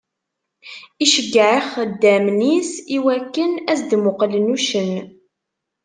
Iceyyeε ixeddamen-is i wakken ad as-d-muqqlen uccen.